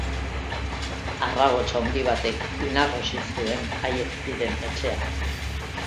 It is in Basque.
Harrabots handi batek inarrosi zuen haiek ziren etxea.